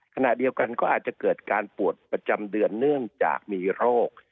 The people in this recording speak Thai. ขณะเดียวกันก็อาจจะเกิดการปวดประจำเดือนเนื่องจากมีโรค